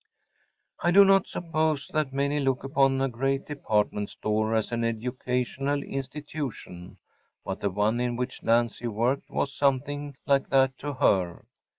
I do not suppose that many look upon a great department store as an educational institution. But the one in which Nancy worked was something like that to her.